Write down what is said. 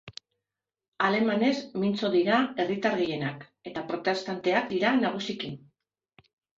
Alemanez mintzo dira herritar gehienak, eta protestanteak dira nagusiki.